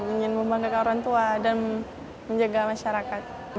ingin membanggakan orang tua dan menjaga masyarakat